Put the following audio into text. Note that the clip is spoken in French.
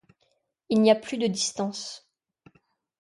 Il n’y a plus de distance.